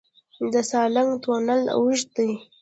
د سالنګ تونل اوږد دی